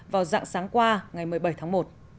vào dạng sáng qua ngày một mươi bảy tháng một